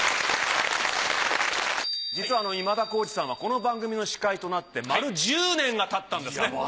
実は今田耕司さんはこの番組の司会となってまる１０年がたったんですね。